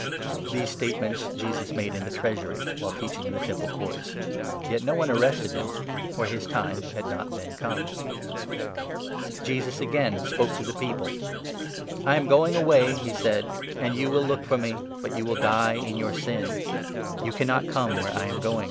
These statements Jesus made in the Treasury, while teach 20 ing in the Temple Courts. Yet no one arrested him, for his time had not then come. Je.us defends JeSUS aS^n sPoke to the People. 21 his Mission "I am going away," he said, "and you will and Authority. ]ook for m6) but vou wjn die in your sin ; you cannot come where I am going."